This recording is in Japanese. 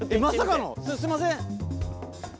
すいません。